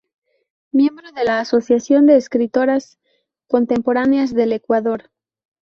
Miembro de la Asociación de Escritoras Contemporáneas del Ecuador.